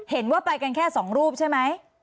เห็นว่าไปกันแค่สองรูปใช่ไหม